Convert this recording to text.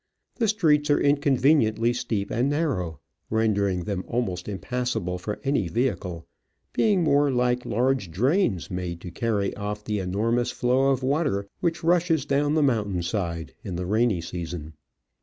The streets are inconveniently steep and narrow, rendering them almost impassable for any vehicle, being more like large drains made to carry off the enormous flow of water which rushes down the mountain side in the rainy season.